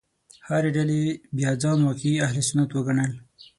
هرې ډلې بیا ځان واقعي اهل سنت وګڼل.